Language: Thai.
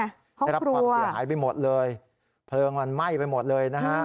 นี่ไหมห้องครัวได้รับความเสียหายไปหมดเลยเพลิงมันไหม้ไปหมดเลยนะฮะ